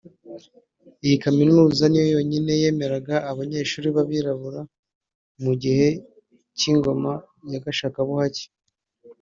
Iyi kaminuza ni yo yonyine yemeraga abanyeshuri b’abirabura mu gihe cy’ingoma ya gashakabuhake